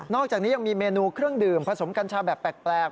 อกจากนี้ยังมีเมนูเครื่องดื่มผสมกัญชาแบบแปลก